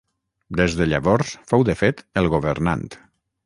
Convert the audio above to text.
Des de llavors fou de fet el governant.